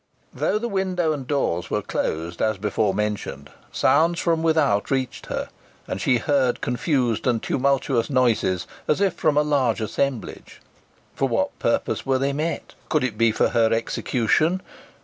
Though the windows and doors were closed as before mentioned, sounds from without reached her, and she heard confused and tumultuous noises as if from a large assemblage. For what purpose were they met? Could it be for her execution?